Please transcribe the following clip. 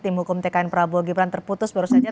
tim hukum tkn prabowo gibran terputus baru saja